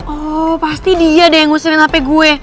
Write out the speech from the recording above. oh pasti dia ada yang ngusirin hp gue